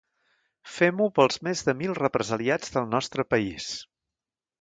Fem-ho pels més de mil represaliats del nostre país.